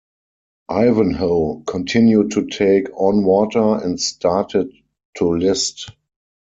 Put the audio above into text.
"Ivanhoe" continued to take on water and started to list.